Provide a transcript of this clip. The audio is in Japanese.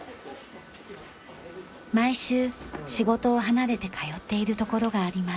毎週仕事を離れて通っている所があります。